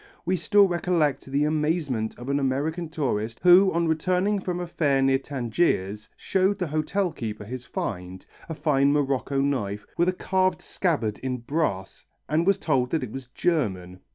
We still recollect the amazement of an American tourist who on returning from a fair near Tangiers showed the hotel keeper his find, a fine Morocco knife with a carved scabbard in brass, and was told that it was German.